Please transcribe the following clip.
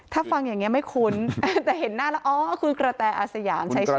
ถ้าฟังอย่างนี้ไม่คุ้นแต่เห็นหน้าแล้วอ๋อคุณกระแตอาสยามเฉย